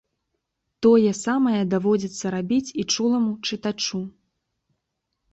Тое самае даводзіцца рабіць і чуламу чытачу.